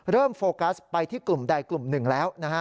โฟกัสไปที่กลุ่มใดกลุ่มหนึ่งแล้วนะฮะ